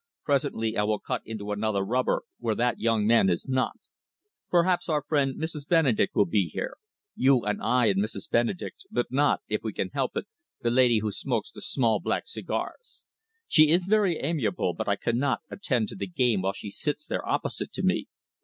Presently I will cut into another rubber, where that young man is not. Perhaps our friend Mrs. Benedek will be here. You and I and Mrs. Benedek, but not, if we can help it, the lady who smokes the small black cigars. She is very amiable, but I cannot attend to the game while she sits there opposite to me.